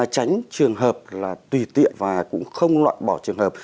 tránh trường hợp là tùy tiện và cũng không loại bỏ trường hợp